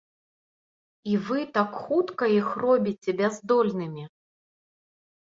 І вы так хутка іх робіце баяздольнымі?!